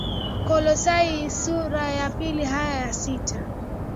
Kolosai sura ya pili aya ya sita